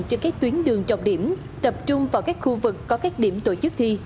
trên các tuyến đường trọng điểm tập trung vào các khu vực có các điểm tổ chức thi